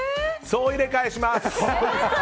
総入れ替えします！